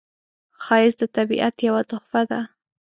ښایست د طبیعت یوه تحفه ده